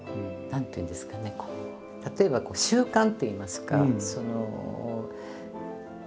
何ていうんですかねこう例えば習慣といいますかその。